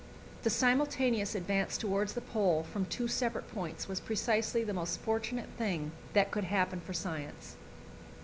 The simultaneous advance towards the Pole from two separate points was precisely the most fortunate thing that could happen for science.